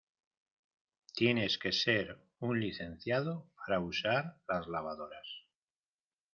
tienes que ser un licenciado para usar las lavadoras.